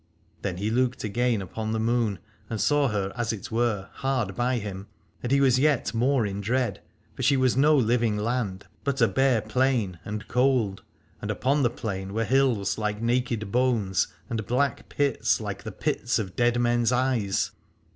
Then he looked again upon the moon, and saw her as it were hard by him, and he was yet more in dread : for she was no living land but a bare plain and cold, and upon the plain were hills like naked bones, and black pits like the pits of dead 230 Alad ore men's eyes.